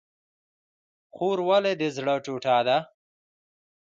خور ولې د زړه ټوټه ده؟